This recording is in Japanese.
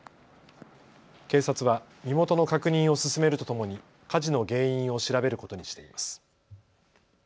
警察は身元の確認を進めるとともに火事の原因を調べることにしています。